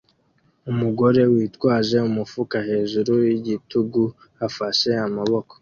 Umugore witwaje umufuka hejuru yigitugu afashe amaboko